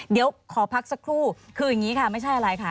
เดี๋ยวขอพักสักครู่คืออย่างนี้ค่ะไม่ใช่อะไรค่ะ